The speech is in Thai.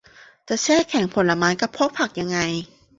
จะแช่แข็งผลไม้กับพวกผักยังไง